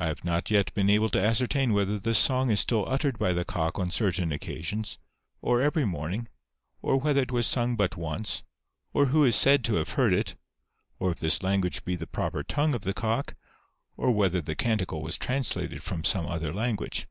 I have not yet been able to ascer tain whether this song is still uttered by the cock on certain occasions, or every morning, or whether it was sung but once, or who is said to have heard it, or if this language be the proper tongue of the cock, or whether the canticle was translated from some other language.